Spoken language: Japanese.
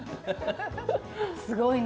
すごいな。